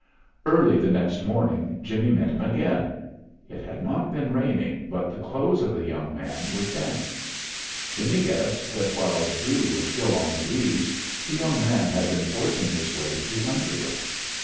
Early the next morning Jimmie met him again. It had not been raining, but the clothes of the young man were damp. Jimmie guessed that while the dew was still on the leaves the young man had been forcing his way through underbrush.